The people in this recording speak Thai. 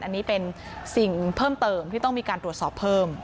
อันนี้เป็นสิ่งเพิ่มเติมที่ต้องมีการตรวจสอบเพิ่ม